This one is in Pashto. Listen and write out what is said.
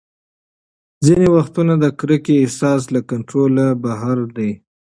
ځینې وختونه د کرکې احساس له کنټروله بهر دی.